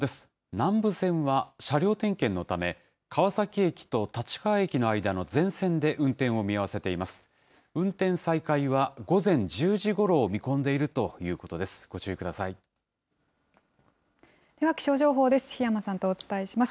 南武線は車両点検のため、川崎駅と立川駅の間の全線で運転を見合わせています。